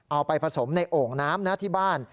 เอาไปผสมในโอ่งน้ำนะที่บ้าน